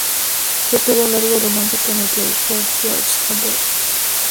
Sostuvo un largo romance con el productor George Abbott.